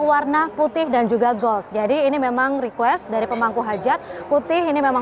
warna putih dan juga gold jadi ini memang request dari pemangku hajat putih ini memang